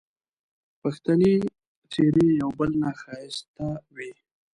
پښتني څېرې یو بل نه ښایسته وې